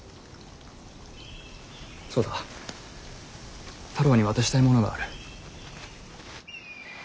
そうだ太郎に渡したいものがある。